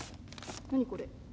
何これ。